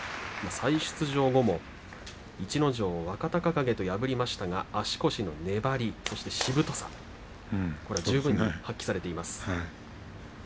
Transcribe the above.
再出場後も逸ノ城、若隆景と破りましたが足腰の粘り、しぶとさは十分に発揮されています。